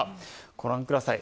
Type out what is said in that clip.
ご覧ください。